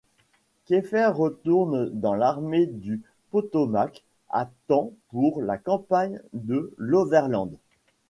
Keifer retourne dans l'armée du Potomac à temps pour la campagne de l'Orverland.